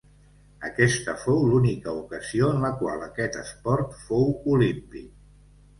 Aquesta fou l'única ocasió en la qual aquest esport fou olímpic.